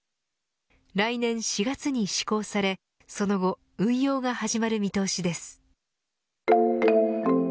来年４月に施行されその後運用が始まる見通しです。